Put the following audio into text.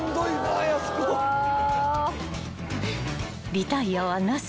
［リタイアはなし］